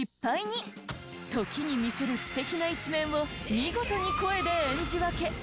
時に見せる知的な一面を見事に声で演じ分け。